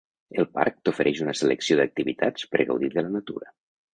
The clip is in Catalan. El Parc t'ofereix una selecció d'activitats per gaudir de la natura.